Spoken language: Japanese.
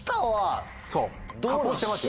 加工してますよ。